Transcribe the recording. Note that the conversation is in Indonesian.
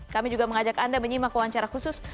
kami juga mengajak anda menyimak wawancara khusus